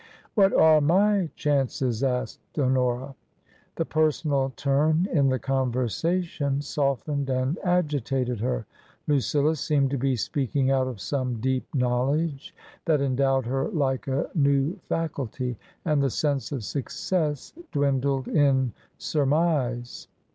" What are my chances ?" asked Honora. The personal turn in the conversation softened and agitated her. Lucilla seemed to be speaking out of some deep knowledge that endowed her like a new faculty ; and the sense of success dwindled in surmise.